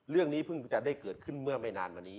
เรื่องนี้เพิ่งจะได้เกิดขึ้นเมื่อไม่นานมานี้